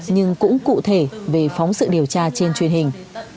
nhưng cũng cụ thể về phóng sự điều tra trên truyền hình